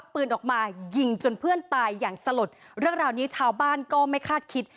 ปืนออกมายิงจนเพื่อนตายอย่างสลดเรื่องราวนี้ชาวบ้านก็ไม่คาดคิด